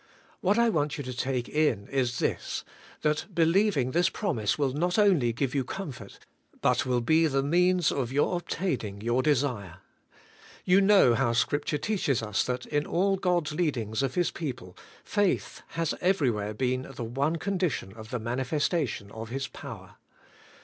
What I want you to take in is this, — that be lieving this promise will not only give you comfort, but will be the means of your obtaining your desire. You know how Scripture teaches us that in all God's leadings of His people faith has everywhere been the 96 ABIDE IN CHRIST: one condition of the manifestation of His power.